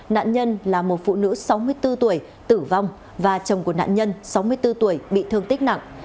nạn nhân là một phụ nữ sáu mươi bốn tuổi tử vong và chồng của nạn nhân sáu mươi bốn tuổi bị thương tích nặng